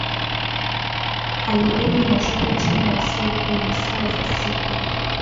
halijoto inashuka chini ya C kwenye saa za usiku